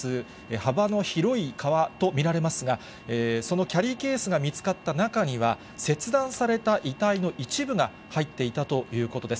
幅の広い川と見られますが、そのキャリーケースが見つかった中には、切断された遺体の一部が入っていたということです。